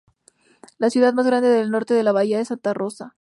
La ciudad más grande del Norte de la Bahía es Santa Rosa.